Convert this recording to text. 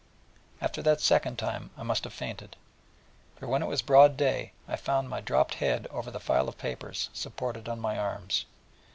After that second time I must have fainted; for when it was broad day, I found my dropped head over the file of papers, supported on my arms.